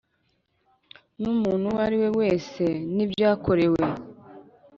N umuntu uwo ari we wese n ibyakorewe